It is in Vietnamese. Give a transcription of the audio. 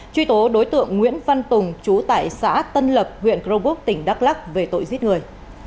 truy tố đối tượng nguyễn văn tùng chú tại xã tân lập huyện crobuk tỉnh đắk lắc về tội giết người